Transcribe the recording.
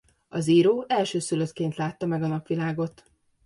Az író elsőszülöttként látta meg a napvilágot.